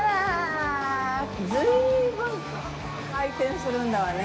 随分回転するんだわね。